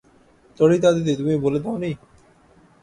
ললিতাদিদি, তুমি বলে দাও নি!